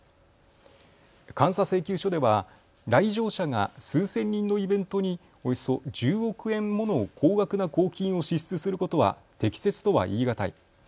監査請求書では来場者が数千人のイベントにおよそ１０億円もの高額な公金を支出することは適切とは言い難い。